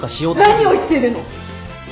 何を言ってるの？